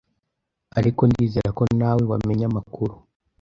Ariko ndizera ko nawe wamenye amakuru.